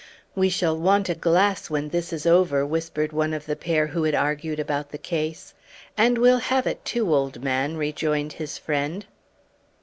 "We shall want a glass when this is over," whispered one of the pair who had argued about the case. "And we'll have it, too, old man!" rejoined his friend.